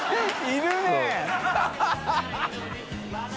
いるね！